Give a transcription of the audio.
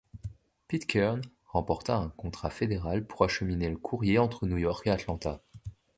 Pitcairn remporta un contrat fédéral pour acheminer le courrier entre New York et Atlanta.